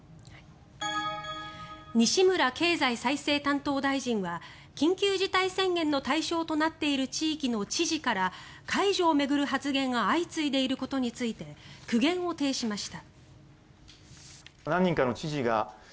西村経済再生担当大臣は緊急事態宣言の対象となっている地域の知事から解除を巡る発言が相次いでいることについて苦言を呈しました。